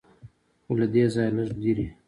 خو له دې ځایه لږ لرې.